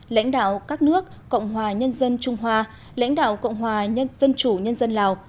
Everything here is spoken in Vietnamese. lãnh đạo các nước cộng hòa nhân dân trung hoa lãnh đạo cộng hòa nhân dân chủ nhân dân lào